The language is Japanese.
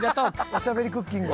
『おしゃべりクッキング』。